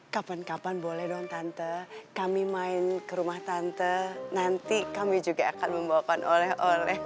kapan kapan boleh dong tante kami main ke rumah tante nanti kami juga akan membawakan oleh oleh